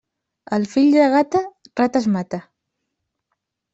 El fill de gata, rates mata.